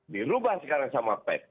dirubah sekarang sama pep